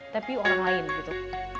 tapi orang lain gitu